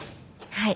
はい。